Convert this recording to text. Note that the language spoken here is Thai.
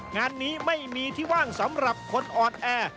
งานนี้ไม่มีที่ว่างสำหรับคนอ่อนแอ